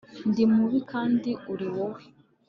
Ndi mubi kandi uri wowe